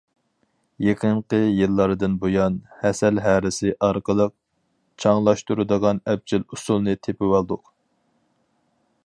يېقىنقى يىللاردىن بۇيان، ھەسەل ھەرىسى ئارقىلىق چاڭلاشتۇرىدىغان ئەپچىل ئۇسۇلنى تېپىۋالدۇق.